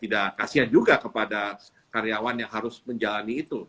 tidak kasian juga kepada karyawan yang harus menjalani itu